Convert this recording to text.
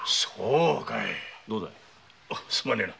そうかい。